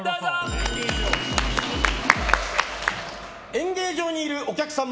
演芸場にいるお客さん。